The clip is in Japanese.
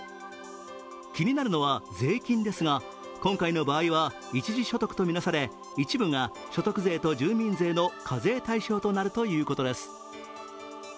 気になるのは税金ですが今回の場合は一時所得とみなされ一部が所得税と住民税の課税対象となるということです。